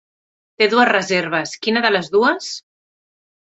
Té dues reserves, quina de les dues?